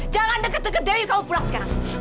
jangan deket deket dwi kamu pula sekarang